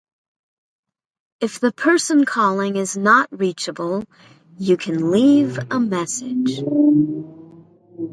If the person calling is not reachable, you can leave a message.